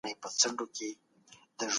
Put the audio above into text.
ولي ځيني هیوادونه جګړه نه مني؟